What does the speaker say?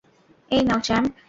এই নাও, চ্যাম্প।